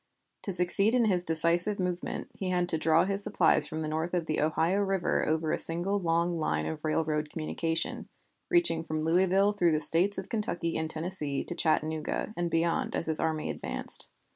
To succeed in his decisive movement he had to draw his supplies from north of the Ohio River over a single long line of railroad communication, reaching from Louisville through the States of Kentucky and Tennessee to Chattanooga, and beyond as his army advanced.